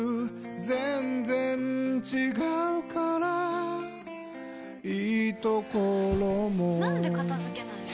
全然違うからいいところもなんで片付けないの？